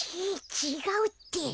ちがうって。